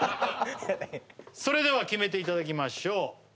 それでは決めていただきましょう